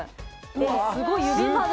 えすごい指まで。